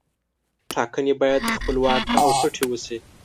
ټاکنې باید خپلواکه او پټې وشي.